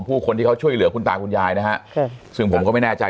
ผู้คนที่เขาช่วยเหลือคุณตาคุณยายนะฮะค่ะซึ่งผมก็ไม่แน่ใจ